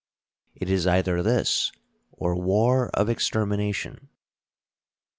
It is either this or war of extermination.